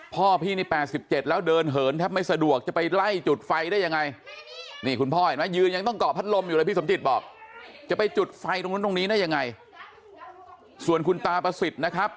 พ่อพี่เนี่ย๘๗แล้วเดินเหินแทบไม่สะดวกจะไปไล่จุดไฟได้ยังไง